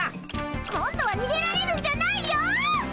今度はにげられるんじゃないよ！